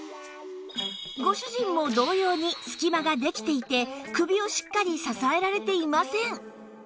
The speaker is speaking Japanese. ご主人も同様に隙間ができていて首をしっかり支えられていません